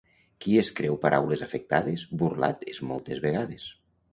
Qui es creu paraules afectades, burlat és moltes vegades.